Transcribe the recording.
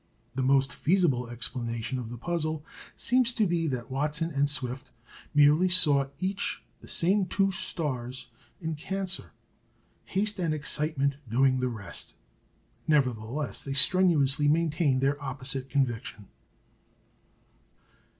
The most feasible explanation of the puzzle seems to be that Watson and Swift merely saw each the same two stars in Cancer: haste and excitement doing the rest. Nevertheless, they strenuously maintained their opposite conviction.